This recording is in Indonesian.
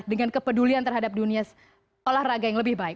dengan kepedulian terhadap dunia olahraga yang lebih baik